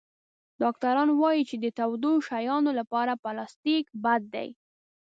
ډاکټران وایي چې د تودو شیانو لپاره پلاستيک بد دی.